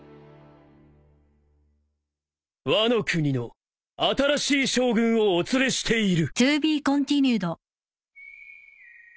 ワノ国の新しい将軍をお連れしている。